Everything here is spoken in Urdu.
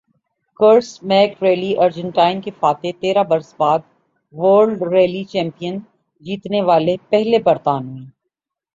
کرس میک ریلی ارجنٹائن کے فاتح تیرہ برس بعد ورلڈ ریلی چیمپئن جیتنے والے پہلے برطانوی